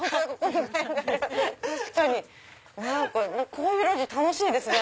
こういう路地楽しいですね。